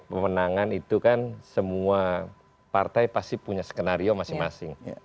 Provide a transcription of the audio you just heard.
pemenangan itu kan semua partai pasti punya skenario masing masing